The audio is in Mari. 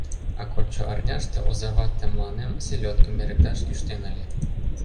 А кодшо арняште оза вате мыланем селёдкым эрыкташ кӱштен ыле.